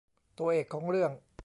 ตัวเอกของเรื่อง